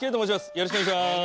よろしくお願いします。